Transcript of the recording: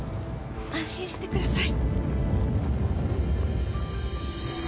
安心してください。